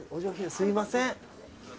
すいません。